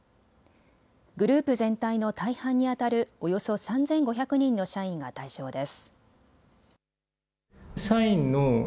グループ全体の大半にあたるおよそ３５００人の社員が対象です。